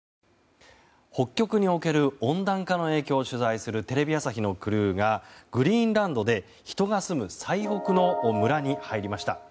北極における温暖化の影響を取材するテレビ朝日のクルーがグリーンランドで人が住む最北の村に入りました。